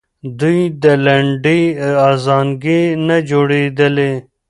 دوی د لنډۍ ازانګې نه اورېدلې.